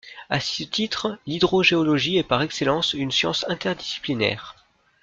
À ce titre l'hydrogéologie est par excellence une science interdisciplinaire.